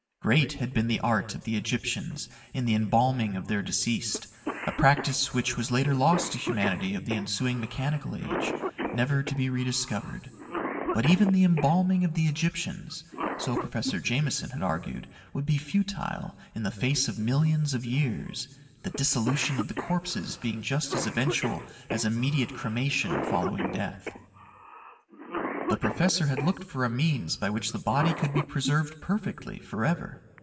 Great had been the art of the Egyptians in the embalming of their deceased, a practice which was later lost to humanity of the ensuing mechanical age, never to be rediscovered. But even the embalming of the Egyptians so Professor Jameson had argued would be futile in the face of millions of years, the dissolution of the corpses being just as eventual as immediate cremation following death. The professor had looked for a means by which the body could be preserved perfectly forever.